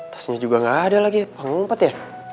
tasnya juga gak ada lagi ya pengumpet ya